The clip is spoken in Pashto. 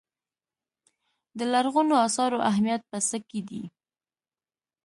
د لرغونو اثارو اهمیت په څه کې دی.